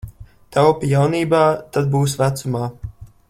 Taupi jaunībā, tad būs vecumā.